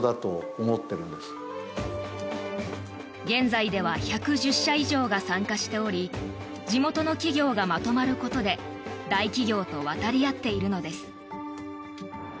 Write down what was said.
現在では１１０社以上が参加しており地元の企業がまとまることで大企業と渡り合っているのです。